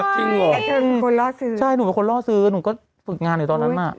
จริงเหรอใช่หนูเป็นคนล่อซื้อหนูก็ฝึกงานอยู่ตอนนั้นมาก